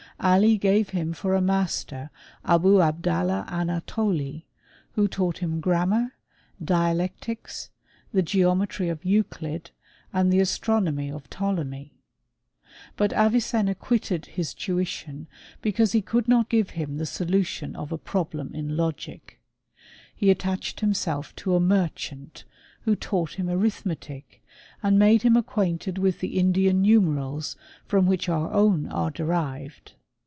Ali gave him for a master Abou Abdallah Annatholi, who taught him grammar, dialectics, the geometry of Euclid, and the astronomy of Ptolemy. But Avicenna quitted his tuition be cause he could not give him the solution of a problem m logic. He attached himself to a merchant, who taught him arithmetic, and made him acquainted with the Indian numerals from which our own are derived.